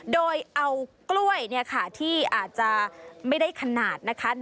โดยเอาเก้าไอกล้วยเนี้ยค่ะที่อาจจะไม่ได้ขนาดนะคะ